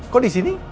kok di sini